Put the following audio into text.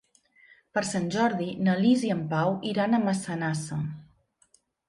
Per Sant Jordi na Lis i en Pau iran a Massanassa.